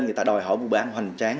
người ta đòi hỏi bộ bán hoành tráng